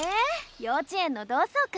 幼稚園の同窓会？